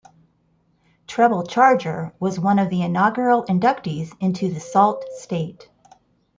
Treble Charger was one of the inaugural inductees into the Sault Ste.